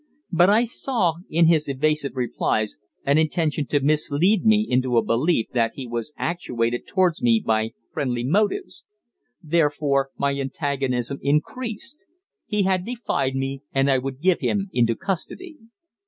But I saw in his evasive replies an intention to mislead me into a belief that he was actuated towards me by friendly motives. Therefore my antagonism increased. He had defied me, and I would give him into custody.